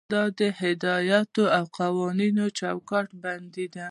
دا د هدایاتو او قوانینو چوکاټ بندي ده.